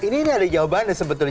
ini ada jawaban ya sebetulnya